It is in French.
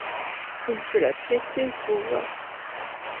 Ils se la pétaient, faut voir !